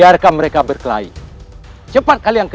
aduh kumat lagi